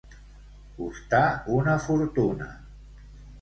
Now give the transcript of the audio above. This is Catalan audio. Costar una fortuna.